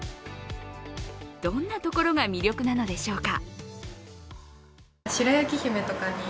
どんなところが魅力なのでしょうか。